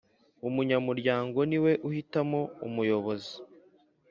Umunyamuryango niwe uhitamo umuyobozi.